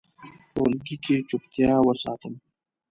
ټولګي کې چوپتیا وساتم.